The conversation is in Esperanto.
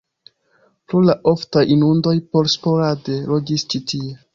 Pro la oftaj inundoj nur sporade loĝis ĉi tie.